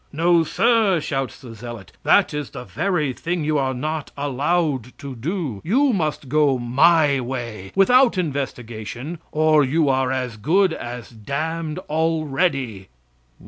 "No sir!" shouts the zealot; "that is the very thing you are not allowed to do. You must go my way, without investigation or you are as good as damned already."